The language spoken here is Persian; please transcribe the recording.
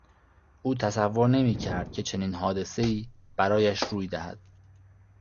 او تصور نمیکرد که چنین حادثهای برایش روی دهد.